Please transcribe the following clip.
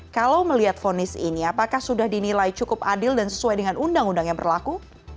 kalau melihat fonis ini apakah sudah dinilai cukup adil dan sesuai dengan undang undang yang berlaku